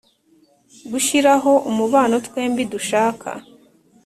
gushiraho umubano twembi dushaka